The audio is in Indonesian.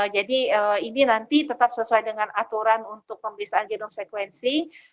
jadi ini nanti tetap sesuai dengan aturan untuk pemeriksaan genom sequencing